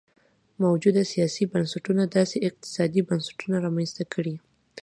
موجوده سیاسي بنسټونو داسې اقتصادي بنسټونه رامنځته کړي.